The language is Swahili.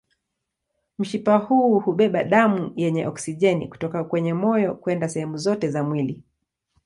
Mshipa huu hubeba damu yenye oksijeni kutoka kwenye moyo kwenda sehemu zote za mwili.